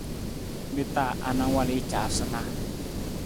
Mi ta anang wal i caasunaa?